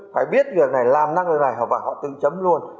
phải biết việc này làm năng lượng này họ vào họ tự chấm luôn